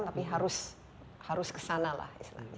tapi harus kesana lah